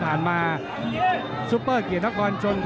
เผ่าฝั่งโขงหมดยก๒